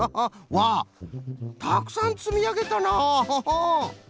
わあたくさんつみあげたな！